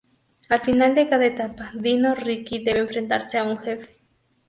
Al final de cada etapa, Dino Riki debe enfrentarse a un jefe.